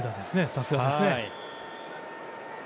さすがですね。